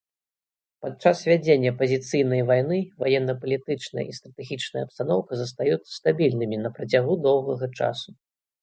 Падчас вядзення пазіцыйнай вайны ваенна-палітычная і стратэгічная абстаноўка застаюцца стабільнымі на працягу доўгага часу.